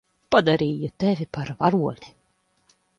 Padarīju tevi par varoni.